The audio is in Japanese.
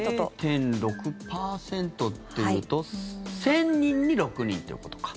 ０．６％というと１０００人に６人ということか。